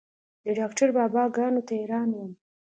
د ډاکتر بابا ګانو ته حيران وم.